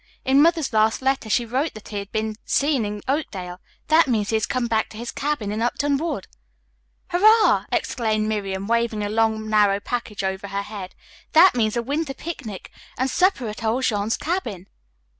In Mother's last letter she wrote that he had been seen in Oakdale. That means that he has come back to his cabin in Upton Wood." "Hurrah!" exclaimed Miriam, waving a long, narrow package over her head. "That means a winter picnic, and supper at old Jean's cabin."